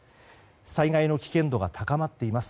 災害の危険度が高まっています。